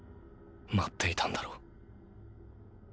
待っていたんだろずっと。